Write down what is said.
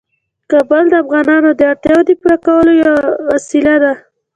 کابل د افغانانو د اړتیاوو د پوره کولو وسیله ده.